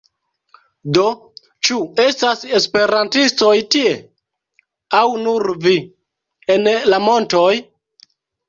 Do, ĉu estas esperantistoj tie? aŭ nur vi? en la montoj?